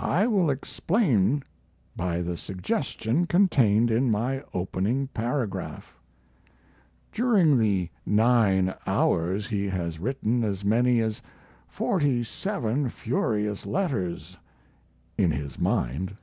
I will explain by the suggestion contained in my opening paragraph. During the nine hours he has written as many as forty seven furious letters in his mind.